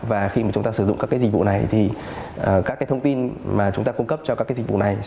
và khi mà chúng ta sử dụng các dịch vụ này thì các thông tin mà chúng ta cung cấp cho các dịch vụ này